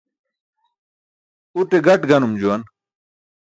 Uṭe gaṭ ganum juwan.